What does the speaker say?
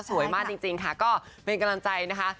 สวยมากจริงค่ะก็เป็นกำลังใจนะคะ